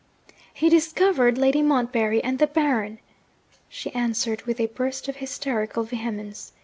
'He discovered Lady Montbarry and the Baron!' she answered, with a burst of hysterical vehemence.